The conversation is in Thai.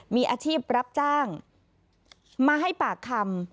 มีอาชีพรับจ้างมาให้ปากคำ